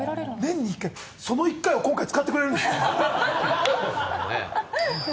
年に１回その１回を今回使ってくれるんですねははははっ